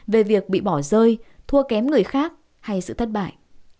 về việc bị bỏ rơi thua kém người khác hay sự thất bại